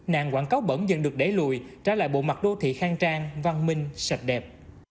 nạn quảng cáo bẩn dần được đẩy lùi trả lại bộ mặt đô thị khang trang văn minh sạch đẹp